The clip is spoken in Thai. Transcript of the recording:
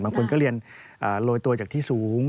บางคนก็เรียนโรยตัวจากที่สูง